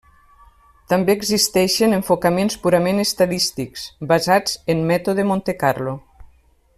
També existeixen enfocaments purament estadístics, basats en Mètode Montecarlo.